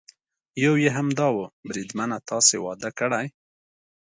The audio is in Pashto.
یې یو همدا و، بریدمنه تاسې واده کړی؟